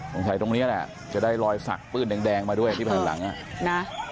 ตรงนี้แหละจะได้รอยสักปื้นแดงมาด้วยที่แผ่นหลังอ่ะนะ